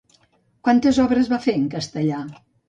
Quantes obres va fer en castellà?